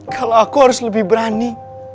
kalau aku harus lebih berani